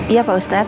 iya pak ustadz